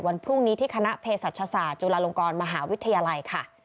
วันพรุ่งนี้ที่คณะเพศศาสตร์จุฬาลงกรมหาวิทยาลัยค่ะ